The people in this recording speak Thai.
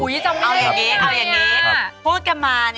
อุ๊ยจำได้เลยนะครับเอาอย่างนี้